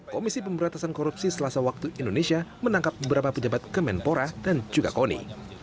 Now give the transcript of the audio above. komisi pemberantasan korupsi selasa waktu indonesia menangkap beberapa pejabat kemenpora dan juga koni